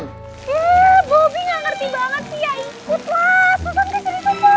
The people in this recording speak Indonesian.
eh bobi gak ngerti banget sih ya ikut lah